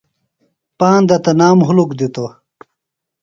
پاندہ تنام ہُلک دِتوۡ۔